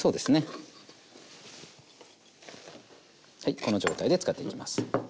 この状態で使っていきます。